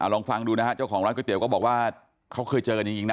ลองฟังดูนะฮะเจ้าของร้านก๋วเตี๋ยก็บอกว่าเขาเคยเจอกันจริงนะ